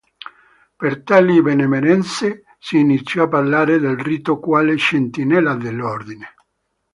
Per tali benemerenze, si iniziò a parlare del Rito quale "sentinella dell'Ordine".